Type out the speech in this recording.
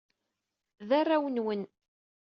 D arraw-nwen.